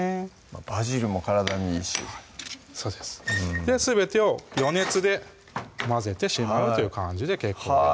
バジルも体にいいしそうですすべてを余熱で混ぜてしまうという感じで結構です